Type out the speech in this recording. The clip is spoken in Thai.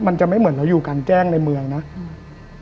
มันจะไม่เหมือนเราอยู่กันแกล้งในเมืองนะอืม